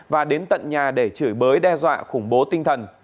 và đến tận nhà để chửi bới đe dọa khủng bố tinh thần